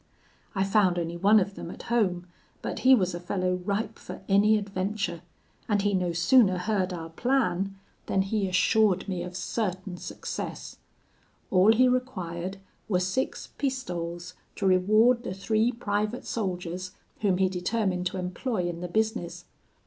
I found only one of them at home, but he was a fellow ripe for any adventure; and he no sooner heard our plan, than he assured me of certain success: all he required were six pistoles, to reward the three private soldiers whom he determined to employ in the business.